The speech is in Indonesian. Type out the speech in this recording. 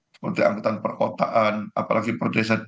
seperti angkutan perkotaan apalagi perdesaan